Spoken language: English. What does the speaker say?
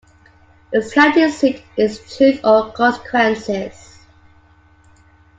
Its county seat is Truth or Consequences.